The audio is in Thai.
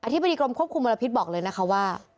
ธิบดีกรมควบคุมมลพิษบอกเลยนะคะว่า